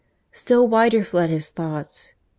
Still wider fled his thought. ..